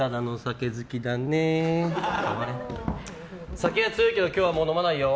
酒は強いけど今日はもう飲まないよ。